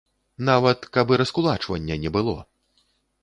Нават каб і раскулачвання не было!